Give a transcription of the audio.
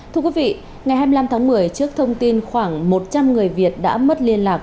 thưa quý vị ngày hai mươi năm tháng một mươi trước thông tin khoảng một trăm linh người việt đã mất liên lạc